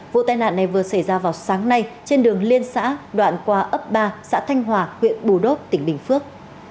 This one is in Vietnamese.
vụ tai nạn này vừa xảy ra vào sáng nay trên đường liên xã đoạn qua ấp ba xã thanh hòa huyện bù đốp tỉnh bình phước